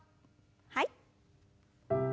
はい。